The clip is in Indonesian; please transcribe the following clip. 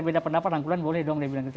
beda pendapat rangkulan boleh dong dia bilang